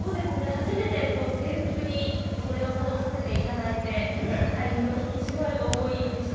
初めて制服に袖を通させていただいて、身の引き締まる思いでした。